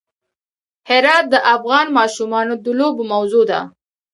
هرات د افغان ماشومانو د لوبو موضوع ده.